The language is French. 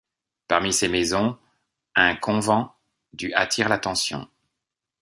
Parmi ces maisons, un convent du attire l'attention.